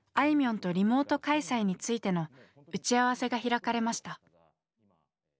いみょんとリモート開催についての打ち合わせが開かれました。